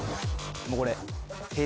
もうこれ。